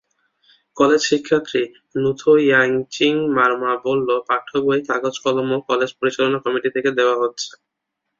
কলেজের শিক্ষার্থী নুথোয়াইচিং মারমা বলল, পাঠ্যবই, কাগজ-কলমও কলেজ পরিচালনা কমিটি থেকে দেওয়া হচ্ছে।